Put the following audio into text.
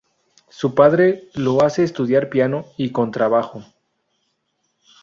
Su padre lo hace estudiar piano y contrabajo.